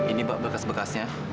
ini mbak bekas bekasnya